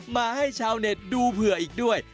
มาให้ชาวเน็ตดูเผื่ออีกด้วย